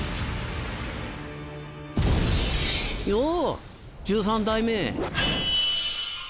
よう１３代目。